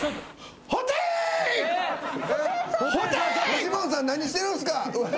フジモンさん何してるんすか！